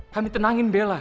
kami tenangin bella